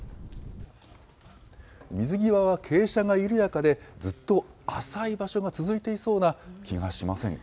水際は傾斜が緩やかで、ずっと浅い場所が続いていそうな気がしませんか。